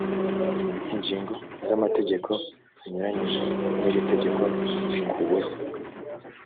ingingo z’amategeko zinyuranyije n’iri tegeko zikuweho